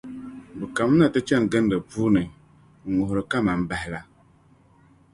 bɛ kanimina ti chani gindi tiŋ’ puuni ŋ-ŋuhiri kaman bahi la.